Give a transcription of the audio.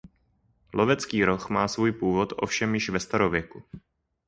Lovecký roh má svůj původ ovšem již ve starověku.